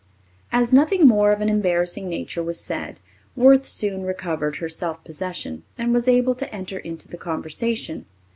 As nothing more of an embarrassing nature was said, Worth soon recovered her self possession and was able to enter into the conversation.